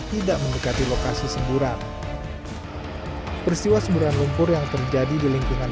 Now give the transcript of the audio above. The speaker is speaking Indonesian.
tidak mendekati lokasi semburan peristiwa semburan lumpur yang terjadi di lingkungan